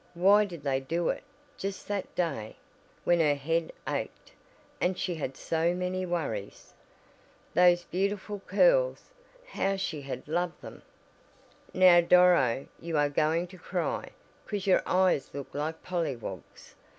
Why did they do it just that day, when her head ached, and she had so many worries? Those beautiful curls! How she had loved them! "Now Doro, you are going to cry, 'cause your eyes look like polly wogs.